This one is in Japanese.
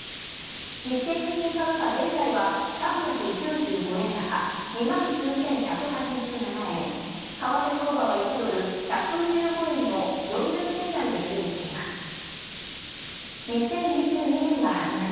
日経平均株価、現在は３９５円高、２９１８７円、為替相場は１ドル１１５円の４０銭台で推移しています。